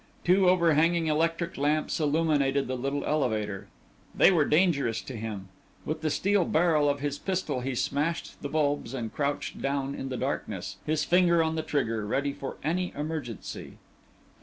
Two overhanging electric lamps illuminated the little elevator. They were dangerous to him. With the steel barrel of his pistol he smashed the bulbs and crouched down in the darkness, his finger on the trigger, ready for any emergency.